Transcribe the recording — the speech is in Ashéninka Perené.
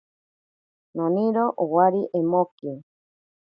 Noniro owari emoki.